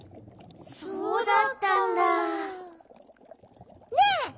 そうだったんだ。ねえ！